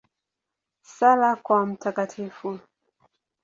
Sala kwa Mt.